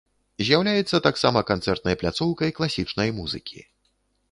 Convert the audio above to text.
З'яўляецца таксама канцэртнай пляцоўкай класічнай музыкі.